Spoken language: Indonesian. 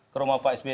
ke rumah pak sby